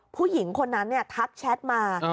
ผู้หญิงคนนั้นทักแชทมา